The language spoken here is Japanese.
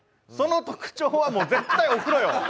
その特徴はもう、絶対お風呂よ。